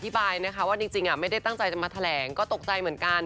ว่าจริงไม่ได้ตั้งใจมาแถลงก็ตกใจเหมือนกัน